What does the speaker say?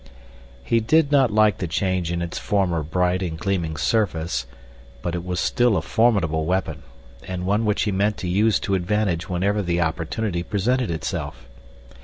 He did not like the change in its former bright and gleaming surface; but it was still a formidable weapon, and one which he meant to use to advantage whenever the opportunity presented itself.